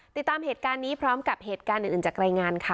ติดตามเหตุการณ์นี้พร้อมกับเหตุการณ์อื่นจากรายงานค่ะ